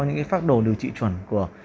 những phác đồ điều trị chuẩn của